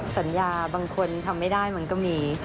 สัญญาบางคนทำไม่ได้มันก็มี